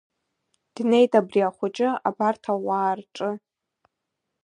Днеит абри ахәыҷы абарҭ ауаа рҿы.